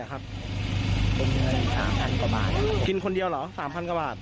คุณจะกี่ประโยคไม่รู้แต่คุณทำความผิด